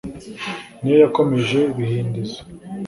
Ni yo yakomeje ibihindizo